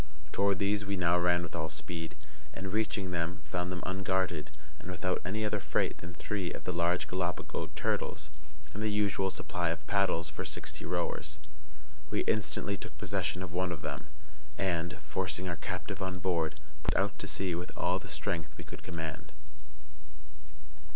Toward these we now ran with all speed, and, reaching them, found them unguarded, and without any other freight than three of the large Gallipago turtles and the usual supply of paddles for sixty rowers. We instantly took possession of one of them, and, forcing our captive on board, pushed out to sea with all the strength we could command.